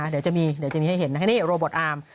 เดี๋ยวจะมีให้เห็นโรบอทอาร์ม